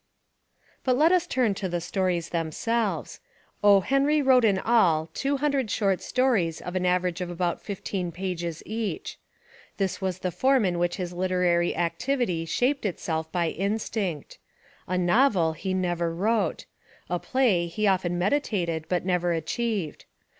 But let us turn to the stories themselves. O. Henry wrote In all two hundred short stories of an average of about fifteen pages each. This was the form In which his literary activity shaped Itself by instinct. A novel he never wrote. A play he often meditated but never achieved.